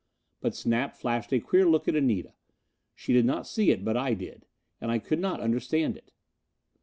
But Snap flashed a queer look at Anita. She did not see it, but I did. And I could not understand it.